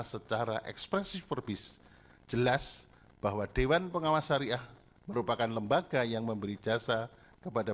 secara ekspresif forbis jelas bahwa dewan pengawas syariah merupakan lembaga yang memberi jasa kepada